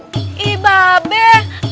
ihh mbak bek